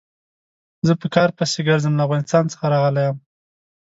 زه په کار پسې ګرځم، له افغانستان څخه راغلی يم.